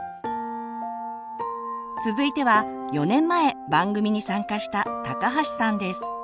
続いては４年前番組に参加した高橋さんです。